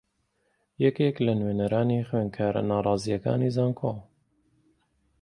یەکێک لە نوێنەرانی خوێندکارە ناڕازییەکانی زانکۆ